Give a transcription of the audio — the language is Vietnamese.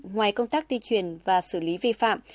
ngoài công tác tuyên truyền và xử lý vi phạm